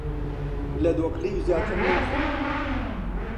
لە دۆکڵیو زیاتر ناخۆم!